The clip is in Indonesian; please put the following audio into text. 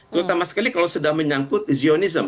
terutama sekali kalau sudah menyangkut zionism